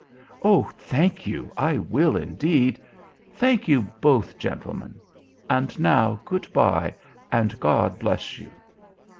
"Oh, thank you, I will indeed! Thank you both, gentlemen. And now good bye, and God bless you!"